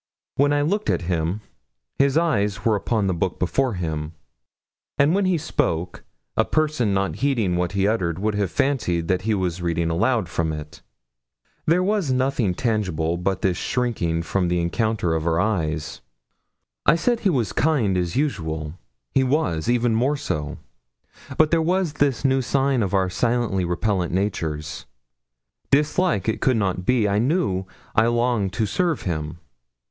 When I looked at him, his eyes were upon the book before him; and when he spoke, a person not heeding what he uttered would have fancied that he was reading aloud from it. There was nothing tangible but this shrinking from the encounter of our eyes. I said he was kind as usual. He was even more so. But there was this new sign of our silently repellant natures. Dislike it could not be. He knew I longed to serve him.